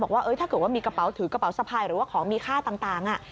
บอกว่าถ้าเกิดว่ามีกระเป๋าถือกระเป๋าสะพายหรือว่าของมีค่าต่าง